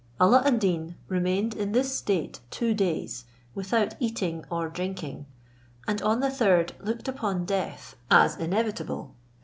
Alla ad Deen remained in this state two days, without eating or drinking, and on the third looked upon death as inevitable.